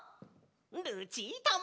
ルチータも！